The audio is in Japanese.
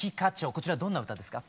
こちらどんな歌ですか？